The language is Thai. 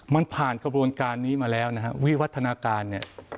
มันผ่านกระบวนการนี้มาแล้วนะฮะวิวัฒนาการเนี่ย